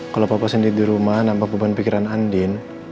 kalau papa sendiri di rumah nampak beban pikiran andin